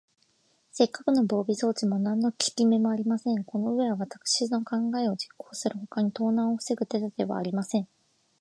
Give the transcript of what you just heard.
せっかくの防備装置も、なんのききめもありません。このうえは、わたくしの考えを実行するほかに、盗難をふせぐ手だてはありません。